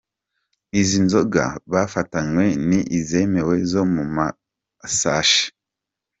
Izo nzoga bafatanywe ni zimwe zo mu masashi.